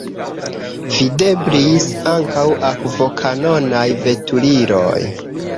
Videblis ankaŭ akvokanonaj veturiloj.